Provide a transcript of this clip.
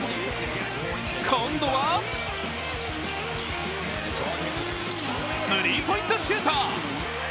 今度はスリーポイントシュート。